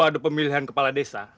ada pemilihan kepala desa